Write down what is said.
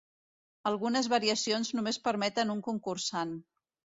Algunes variacions només permeten un concursant.